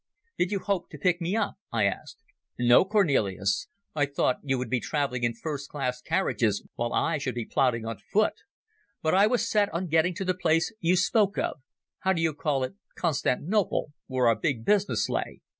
"Did you hope to pick me up?" I asked. "No, Cornelis. I thought you would be travelling in first class carriages while I should be plodding on foot. But I was set on getting to the place you spoke of (how do you call it? Constant Nople?), where our big business lay.